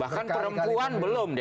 bahkan perempuan belum dia